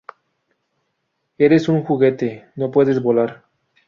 ¡ Eres un juguete! ¡ no puedes volar!